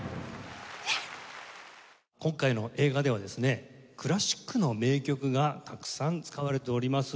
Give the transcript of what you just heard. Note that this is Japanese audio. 今回の映画ではですねクラシックの名曲がたくさん使われております。